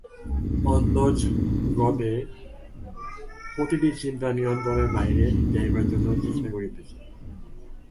অন্তর্জগতে প্রতিটি চিন্তা নিয়ন্ত্রণের বাহিরে যাইবার জন্য চেষ্টা করিতেছে।